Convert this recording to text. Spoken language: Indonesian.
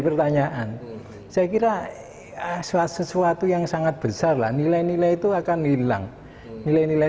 pertanyaan saya kira sesuatu yang sangat besar lah nilai nilai itu akan hilang nilai nilai